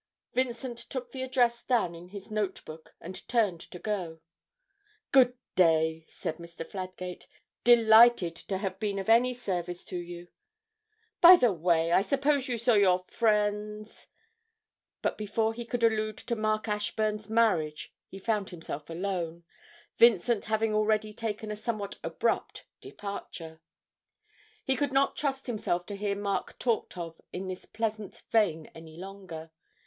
Vincent took the address down in his notebook and turned to go. 'Good day,' said Mr. Fladgate, 'delighted to have been of any service to you by the way, I suppose you saw your friend's' but before he could allude to Mark Ashburn's marriage he found himself alone, Vincent having already taken a somewhat abrupt departure. He could not trust himself to hear Mark talked of in this pleasant vein any longer.